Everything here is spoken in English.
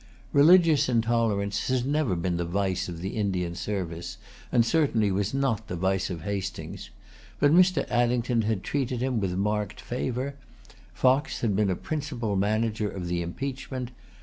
Religious intolerance has never been the vice of the Indian service, and certainly was not the vice of Hastings. But Mr. Addington had treated him with marked favor. Fox had been a principal manager of the impeachment.